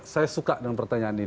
saya suka dengan pertanyaan ini